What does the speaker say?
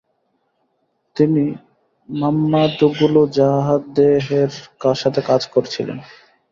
তিনি মাম্মাদ্গুলুযাদেহের সাথে কাজ করেছিলেন।